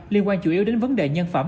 liên quan chủ yếu đến vấn đề nhân phẩm